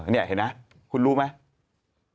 นี่เห็นไหมคุณรู้ไหม